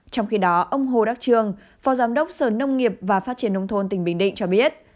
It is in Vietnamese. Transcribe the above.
trong khi đó ông hồ đắc trường phó giám đốc sở nông nghiệp và phát triển nông thôn tỉnh bình định cho biết